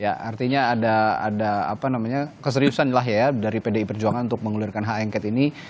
ya artinya ada keseriusan lah ya dari pdi perjuangan untuk mengulirkan hak angket ini